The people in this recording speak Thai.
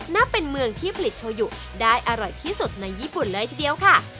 นับเป็นเมืองที่ผลิตโชยุได้อร่อยที่สุดในญี่ปุ่นเลยทีเดียวค่ะ